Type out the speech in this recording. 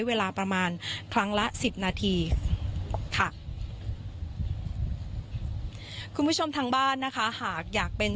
เวลาประมาณครั้งละสิบนาทีค่ะคุณผู้ชมทางบ้านนะคะหากอยากเป็น